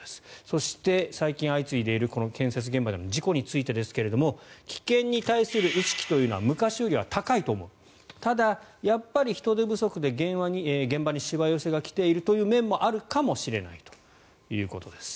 そして、最近相次いでいる建設現場での事故についてですが危険に対する意識というのは昔よりは高いと思うただ、やっぱり人手不足で現場にしわ寄せが来ている面があるかもしれないということです。